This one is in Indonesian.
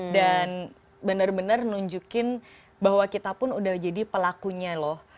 dan bener bener nunjukin bahwa kita pun udah jadi pelakunya loh